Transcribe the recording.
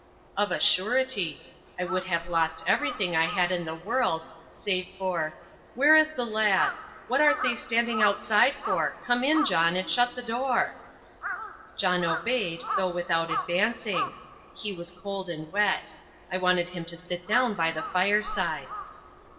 "Of a surety. I should have lost everything I had in the world save for Where is the lad? What art thee standing outside for? Come in, John, and shut the door." John obeyed, though without advancing. He was cold and wet. I wanted him to sit down by the fireside.